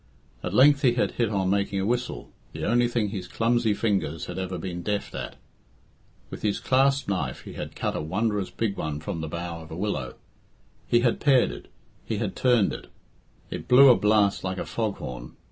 At length he had hit on making a whistle the only thing his clumsy fingers had ever been deft at. With his clasp knife he had cut a wondrous big one from the bough of a willow; he had pared it; he had turned it; it blew a blast like a fog horn.